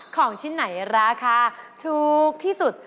ของชิ้นไหนราคาถูกที่สุด